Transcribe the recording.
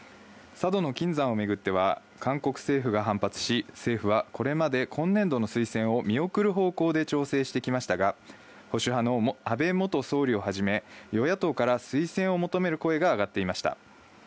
佐渡島の金山をめぐっては韓国政府が反発し、政府はこれまで今年度の推薦を見送る方向で調整してきましたが、保守派の安倍元総理をはじめ、与野党から推薦を求める声が上がっていました。